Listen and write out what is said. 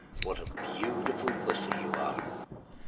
What a beautiful Pussy you are!"